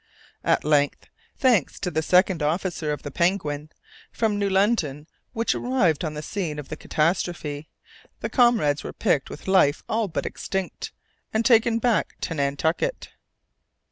At length, thanks to the second officer of the Penguin, from New London, which arrived on the scene of the catastrophe, the comrades were picked up, with life all but extinct, and taken back to Nantucket.